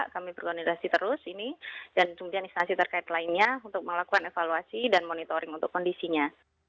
kami berkoordinasi terus ini dan kemudian instansi terkait lainnya untuk melakukan evaluasi dan monitoring untuk kondisinya